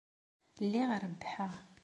Lliɣ rebbḥeɣ.